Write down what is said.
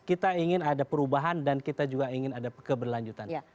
kita ingin ada perubahan dan kita juga ingin ada keberlanjutan